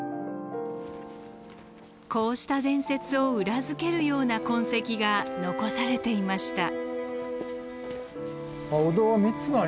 こうした伝説を裏付けるような痕跡が残されていました。